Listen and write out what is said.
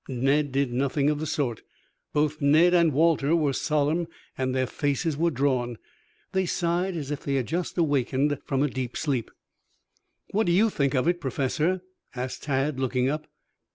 Ned did nothing of the sort. Both Ned and Walter were solemn and their faces were drawn. They sighed as if they had just awakened from a deep sleep. "What do you think of it, Professor?" asked Tad, looking up.